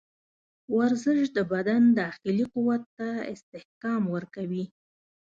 ورزش د بدن داخلي قوت ته استحکام ورکوي.